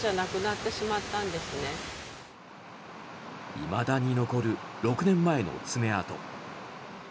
いまだに残る６年前の爪痕。